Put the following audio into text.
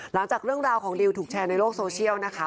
หลังจากเรื่องราวของดิวถูกแชร์ในโลกโซเชียลนะคะ